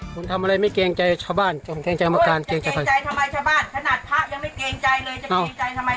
คุณทำอะไรไม่เกรงใจชาวบ้านเกรงใจอำการเกรงใจชาวบ้าน